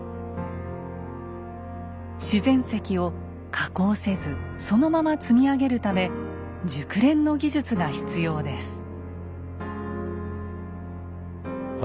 自然石を加工せずそのまま積み上げるため熟練の技術が必要です。